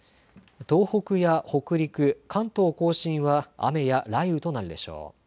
東北や北陸、関東甲信は雨や雷雨となるでしょう。